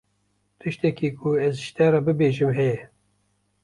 Tiştekî ku ez ji te re bibêjim heye.